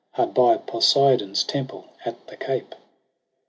Hard by Poseidon's temple at the cape.